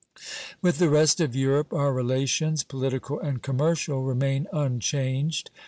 With the rest of Europe our relations, political and commercial, remain unchanged.